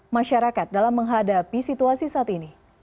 masyarakat dalam menghadapi situasi saat ini